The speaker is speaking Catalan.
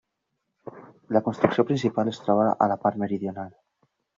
La construcció principal es troba a la part meridional.